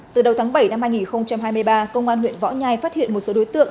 từ đầu tháng bảy năm hai nghìn hai mươi ba công an huyện võ nhai phát hiện một số đối tượng